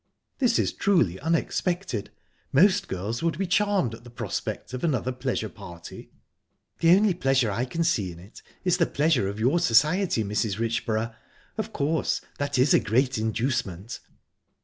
"This is truly unexpected. Most girls would be charmed at the prospect of another pleasure party." "The only pleasure I can see in it is the pleasure of your society, Mrs. Richborough. Of course, that is a great inducement."